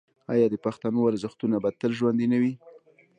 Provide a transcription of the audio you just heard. آیا د پښتنو ارزښتونه به تل ژوندي نه وي؟